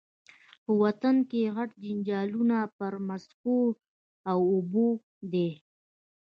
په وطن کي غټ جنجالونه پر مځکو او اوبو دي